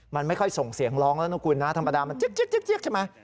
มันไม่ค่อยส่งเสียงร้องแล้วนะคุณนะธรรมดามันเจ๊กใช่ไหม